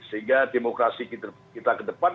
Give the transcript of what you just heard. sehingga demokrasi kita ke depan